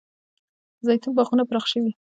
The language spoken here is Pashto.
د زیتون باغونه پراخ شوي؟